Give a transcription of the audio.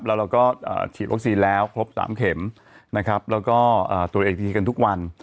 แล้วเราก็ฉีดวัคซีนแล้วครบ๓เข็มนะครับแล้วก็ตรวจอีกทีกันทุกวัน